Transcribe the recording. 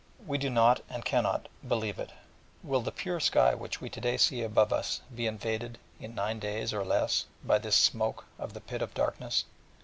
We do not, and cannot, believe it. Will the pure sky which we to day see above us be invaded in nine days, or less, by this smoke of the Pit of Darkness?